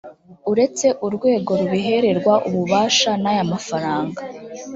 uretse urwego rubiherwa ububasha n aya mafaranga